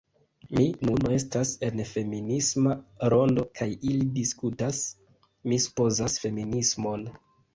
Mi nun estas en feminisma rondo kaj ili diskutas... mi supozas... feminismon